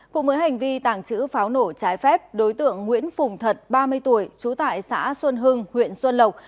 cùng với hành vi tàng trữ pháo nổ trái phép đối tượng nguyễn phùng thật ba mươi tuổi trú tại xã xuân hưng huyện xuân lộc